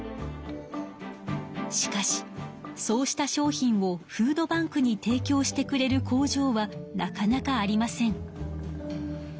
しかしそうした商品をフードバンクに提きょうしてくれる工場はなかなかありません。